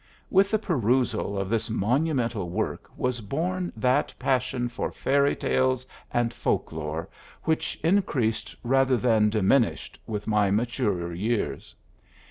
With the perusal of this monumental work was born that passion for fairy tales and folklore which increased rather than diminished with my maturer years.